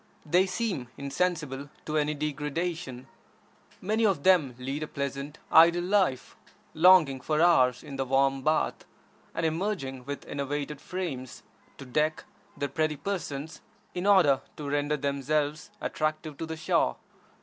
They seem insensible to any degradation. Many of them lead a pleasant, idle life, lounging for hours in the warm bath, and emerging with enervated frames to deck their pretty persons in order to render themselves attractive to the Shah.